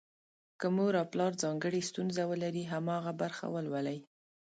که مور او پلار ځانګړې ستونزه ولري، هماغه برخه ولولي.